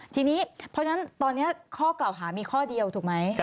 ทีนี้เพราะฉะนั้นตอนนี้ข้อกล่าวหามีข้อเดียวถูกไหม